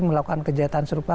melakukan kejahatan serupa